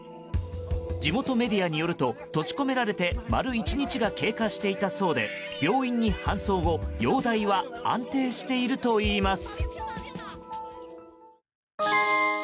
地元メディアによると閉じ込められて丸１日が経過していたそうで病院に搬送後容体は安定しているといいます。